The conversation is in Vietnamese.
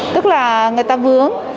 tức là người ta vướng